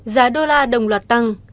giá đô la đồng loạt tăng